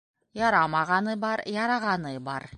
- Ярамағаны бар, ярағаны бар.